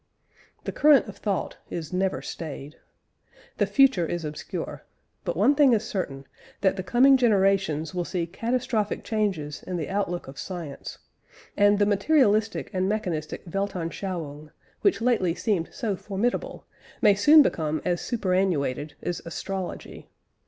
The current of thought is never stayed. The future is obscure, but one thing is certain, that the coming generations will see catastrophic changes in the outlook of science; and the materialistic and mechanistic weltanschauung, which lately seemed so formidable, may soon become as superannuated as astrology.